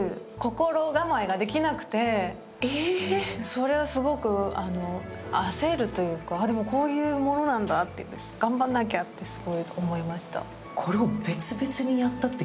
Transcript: それはすごく焦るというかでも、こういうものなんだ、頑張らなきゃって思いました。